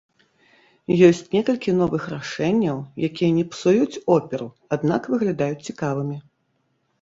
Ёсць некалькі новых рашэнняў, якія не псуюць оперу, аднак выглядаюць цікавымі.